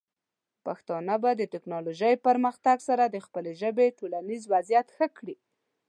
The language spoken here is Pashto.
پښتانه به د ټیکنالوجۍ پرمختګ سره د خپلې ژبې ټولنیز وضعیت ښه کړي.